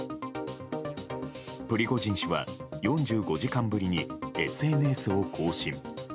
プリゴジン氏は４５時間ぶりにＳＮＳを更新。